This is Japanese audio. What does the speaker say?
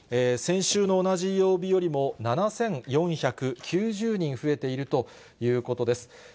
先週の同じ曜日よりも、７４９０人増えているということです。